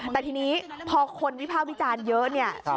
แต่ทีนี้พอคนวิภาควิจารณ์เยอะเนี่ย